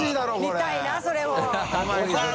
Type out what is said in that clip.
見たいなそれも。